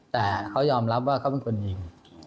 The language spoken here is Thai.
แต่เขายอมรับว่าเขาเป็นคนยิง